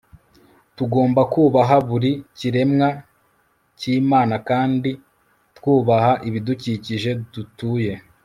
Tugomba kubaha buri kiremwa cyImana kandi twubaha ibidukikije dutuye